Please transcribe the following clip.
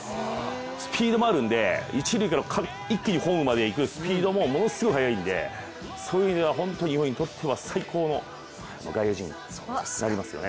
スピードもあるんで、一塁から一気にホームまで行くスピードもものすごい速いのでそういう意味では日本にとっては最高の外野陣営になりますよね。